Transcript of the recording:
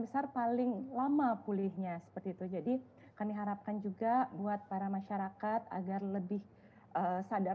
besar paling lama pulihnya seperti itu jadi kami harapkan juga buat para masyarakat agar lebih sadar